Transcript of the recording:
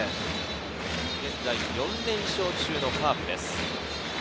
現在４連勝中のカープです。